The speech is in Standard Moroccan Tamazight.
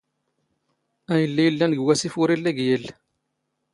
ⴰⵢⵍⵍⵉ ⵉⵍⵍⴰⵏ ⴳ ⵡⴰⵙⵉⴼ ⵓⵔ ⵉⵍⵍⵉ ⴳ ⵢⵉⵍⵍ.